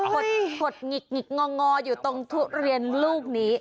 โอเคครับคดหงิก้งำอยู่ในทุเรียนลูกนี้